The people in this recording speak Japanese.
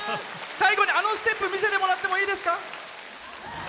最後にあのステップ見せてもらっていいですか。